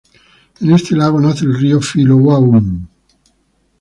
En este lago nace el río Filo Hua Hum.